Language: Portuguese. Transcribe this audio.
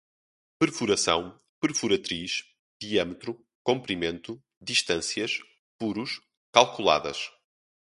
perfuração, perfuratriz, diâmetro, comprimento, distâncias, furos, calculadas